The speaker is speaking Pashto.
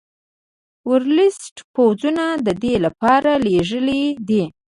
ورلسټ پوځونه د دې لپاره لېږلي دي.